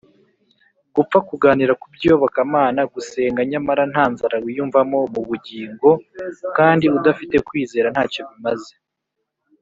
gupfa kuganira ku by’iyobokamana, gusenga nyamara nta nzara wiyumvamo mu bugingo kandi udafite kwizera, nta cyo bimaze